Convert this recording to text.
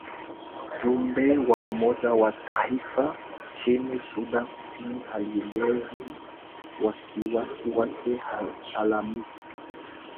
Mjumbe wa Umoja wa Mataifa nchini Sudan Kusini alielezea wasi wasi wake Alhamisi.